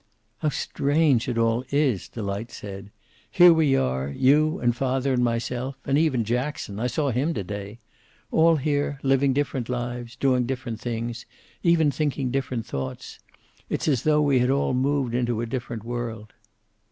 "How strange it all is," Delight said. "Here we are, you and father and myself and even Jackson. I saw him to day. All here, living different lives, doing different things, even thinking different thoughts. It's as though we had all moved into a different world."